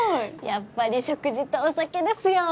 やっぱり食事とお酒ですよ。